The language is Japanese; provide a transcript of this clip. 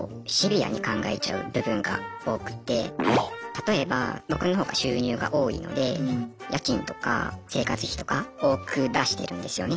例えば僕の方が収入が多いので家賃とか生活費とか多く出してるんですよね。